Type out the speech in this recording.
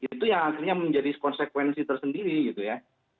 itu yang akhirnya menjadi konsekuensi tersendiri gitu ya